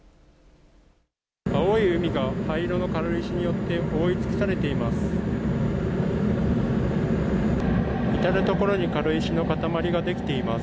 青い海が灰色の軽石によって覆い尽くされています。